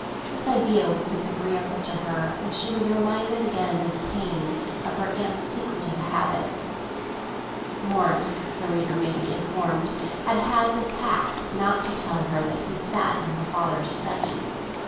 This idea was disagreeable to her, and she was reminded again, with pain, of her aunt's secretive habits. Morris, the reader may be informed, had had the tact not to tell her that he sat in her father's study.